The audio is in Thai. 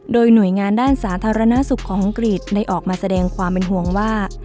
โดยหน่วยงานด้านสาธารณสุขของอังกฤษได้ออกมาแสดงความเป็นห่วงว่า